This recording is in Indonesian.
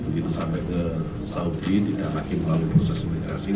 begitu sampai ke saudi tidak lagi melalui proses imigrasi